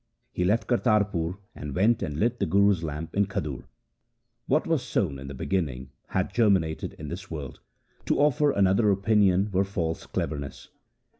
He left Kartarpur, and went and lit the Guru's lamp in Khadur. What was sown in the beginning hath germinated in this world ; to offer another opinion were false cleverness.